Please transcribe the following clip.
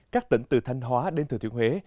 các tỉnh từ thanh hóa đến thừa thuyền huế